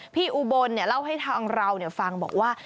อุบลเล่าให้ทางเราฟังบอกว่า